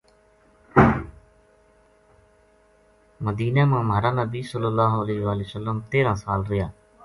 مدینہ ما مہار نبی ﷺ تیرا سال رہیا۔